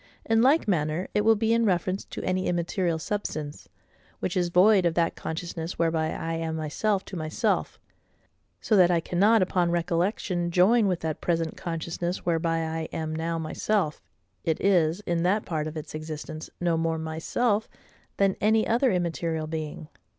In like manner it will be in reference to any immaterial substance, which is void of that consciousness whereby I am myself to myself: so that I cannot upon recollection join with that present consciousness whereby I am now myself, it is, in that part of its existence, no more MYSELF than any other immaterial being.